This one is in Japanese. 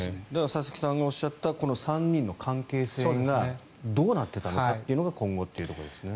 佐々木さんがおっしゃった３人の関係性がどうなっていたのかというのが今後というところですね。